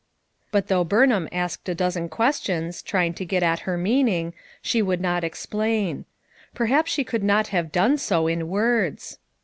But though Burnham asked a dozen ques tions, trying to get at her meaning, she would not explain. Perhaps she could not have done so, in words.